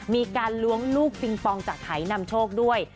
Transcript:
มีการล้วงลูกปิงปองจากหายนำโชคด้วย